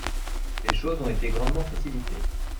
Les choses ont été grandement facilitées.